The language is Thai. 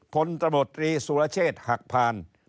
ผลประบบตรีสุลเชษภาคพาน